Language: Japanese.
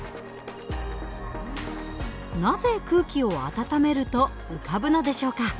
なぜ空気を温めると浮かぶのでしょうか？